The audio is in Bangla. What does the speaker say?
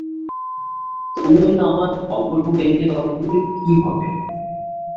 তুমি হলে– আমার সময় অল্প, এ নিয়ে তর্ক করে কী হবে?